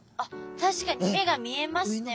確かに目が見えますね